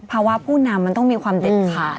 ผู้นำมันต้องมีความเด็ดขาด